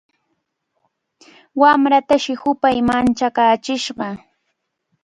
Wamratashi hupay manchakaachishqa.